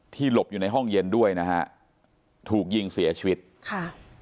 หลบอยู่ในห้องเย็นด้วยนะฮะถูกยิงเสียชีวิตค่ะ